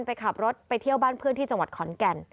ไปขับรถไปเที่ยวบ้านเพื่อนที่จังหวัดขอนแก่น